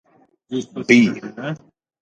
by